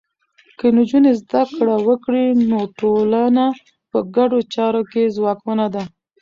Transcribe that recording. که نجونې زده کړه وکړي، نو ټولنه په ګډو چارو کې ځواکمنه ده.